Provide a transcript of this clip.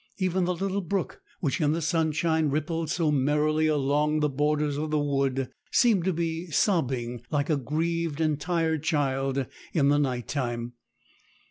Even the little brook, which in the sunshine rippled so merrily along the borders of the wood, seemed to be sobbing like a grieved and tired child in the night time.